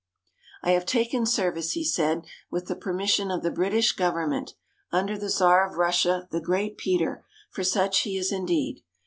"I have taken service," he said, "with the permission of the British Government, under the Czar of Russia, the Great Peter, for such he is indeed.